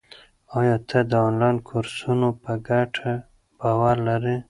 آیا ته د انلاین کورسونو په ګټه باور لرې؟